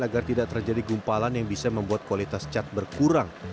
agar tidak terjadi gumpalan yang bisa membuat kualitas cat berkurang